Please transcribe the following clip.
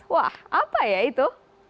wah apa ya itu